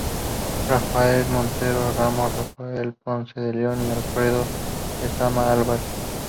Rafael Montero Ramos, Rafael Ponce de León y Alfredo Lezama Álvarez.